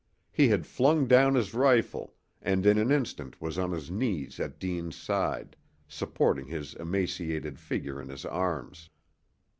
He had flung down his rifle, and in an instant was on his knees at Deane's side, supporting his emaciated figure in his arms.